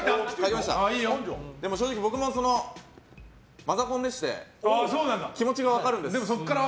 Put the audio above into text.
でも正直、マザコンでして気持ちが分かるんです、僕も。